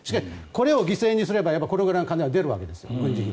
これを犠牲にすればこれぐらいの金は出るわけです。